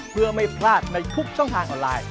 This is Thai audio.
เพื่อไม่พลาดในทุกช่องทางออนไลน์